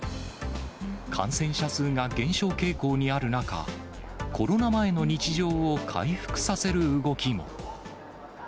感染者数が減少傾向にある中、コロナ前の日常を回復させる動きも。